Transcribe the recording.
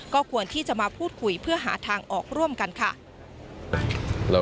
ก็ควรที่จะมาพูดคุยเพื่อหาทางออกร่วมกันค่ะ